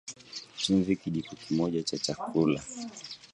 Chumvi Kijiko moja cha chakula